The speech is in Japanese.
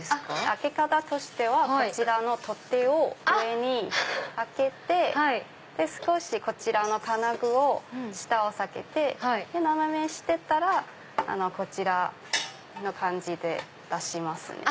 開け方としてはこちらの取っ手を上に上げて少しこちらの金具を下げて斜めにしてったらこちらの感じで出しますね。